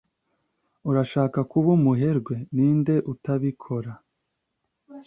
"Urashaka kuba umuherwe?" "Ninde utabikora?"